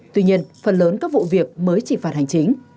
tuy nhiên phần lớn các vụ việc mới chỉ phạt hành chính